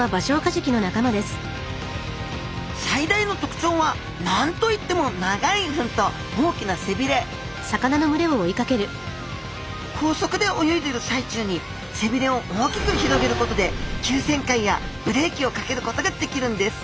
最大のとくちょうは何と言っても長い吻と大きな背びれ高速で泳いでいる最中に背びれを大きく広げることで急旋回やブレーキをかけることができるんです。